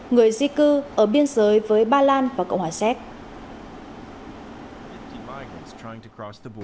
người di cư ở biên giới với ba lan và cộng hòa séc